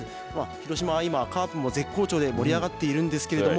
広島はカープも絶好調で盛り上がっているんですけれども。